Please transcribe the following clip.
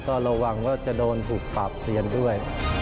ก็ระวังว่าจะโดนถูกปากเซียนด้วย